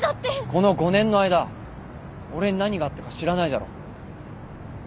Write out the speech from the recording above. この５年の間俺に何があったか知らないだろ？